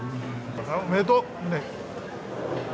おめでとう、ムネ。